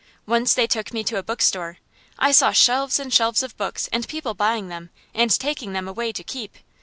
Once they took me to a bookstore. I saw shelves and shelves of books, and people buying them, and taking them away to keep.